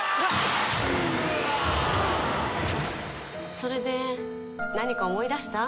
それで何か思い出した？